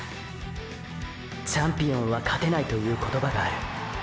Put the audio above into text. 「チャンピオンは勝てない」という言葉がある。